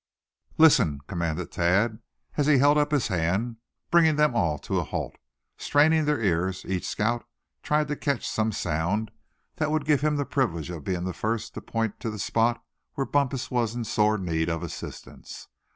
"Listen!" commanded Thad, as he held up his hand, bringing them all to a halt. Straining their ears, each scout tried to catch some sound that would give him the privilege of being the first to point to the spot where Bumpus was in sore need of assistance.